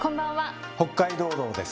「北海道道」です。